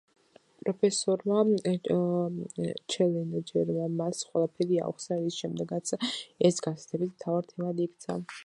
პროფესორმა ჩელენჯერმა მას ყველაფერი აუხსნა, რის შემდეგაც ეს გაზეთების მთავარ თემად იქცა.